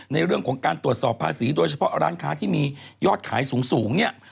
ในเรื่องของการตรวจสอบภาษีโดยเฉพาะร้านค้าที่มียอดขายสูงเนี่ย